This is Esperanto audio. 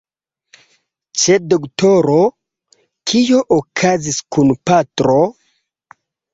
Ĉe doktoro? Kio okazis kun patro?